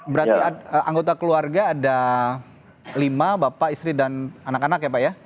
berarti anggota keluarga ada lima bapak istri dan anak anak ya pak ya